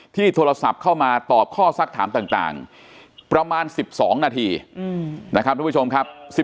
โทรศัพท์เข้ามาตอบข้อสักถามต่างประมาณ๑๒นาทีนะครับทุกผู้ชมครับ